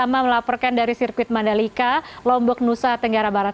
sama melaporkan dari sirkuit mandalika lombok nusa tenggara barat